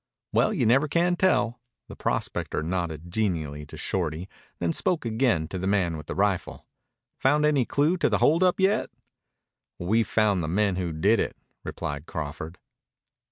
"Well, you never can tell." The prospector nodded genially to Shorty, then spoke again to the man with the rifle. "Found any clue to the hold up yet?" "We've found the men who did it," replied Crawford.